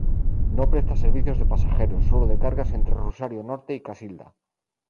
No presta servicios de pasajeros, Solo de cargas entre Rosario Norte y Casilda.